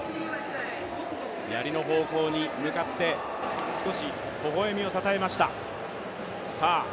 やりの方向に向かって少しほほえみをたたえました。